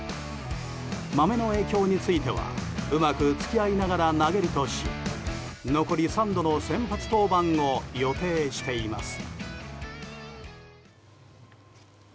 マメの影響についてはうまく付き合いながら投げるとし残り３度の先発登板を予定しています。